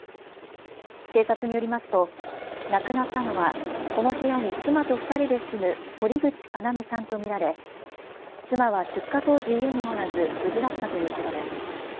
警察によりますと亡くなったのはこの部屋に妻と２人で住む堀口要さんと見られ妻は出火当時家におらず無事だったということです。